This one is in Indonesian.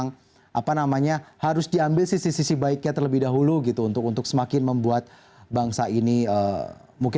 cara berpikir yang demokratis itu